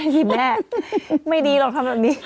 แม่ไม่ดีเราทำแบบนี้